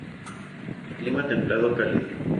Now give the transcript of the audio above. Clima templado-cálido.